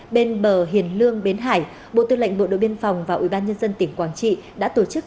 bên bờ hiền lương bến hải bộ tư lệnh bộ đội biên phòng và ủy ban nhân dân tỉnh quảng trị đã tổ chức